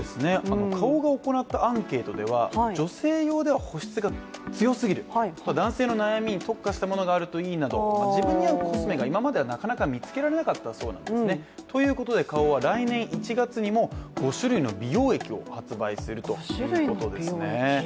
花王が行ったアンケートでは女性用では保湿が強すぎる、男性の悩みに特化したものがあるといいなど自分に合うコスメが今まではなかなか見つけられなかったそうなんですね。ということで、花王は来年１月にも５種類の美容液を発売するということです。